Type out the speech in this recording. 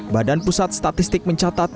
badan pusat statistik mencatat